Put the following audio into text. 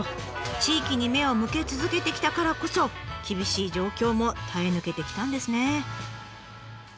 地域に目を向け続けてきたからこそ厳しい状況も耐え抜けてきたんですね。